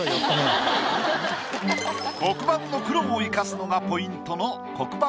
黒板の黒を生かすのがポイントの黒板